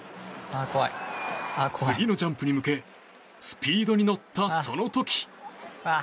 次のジャンプに向けスピードに乗った、その時。